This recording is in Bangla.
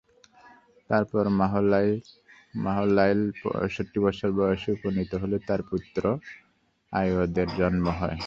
তারপর মাহলাইল পঁয়ষট্টি বছর বয়সে উপনীত হলে তার পুত্র য়ারদ-এর জন্ম হয়।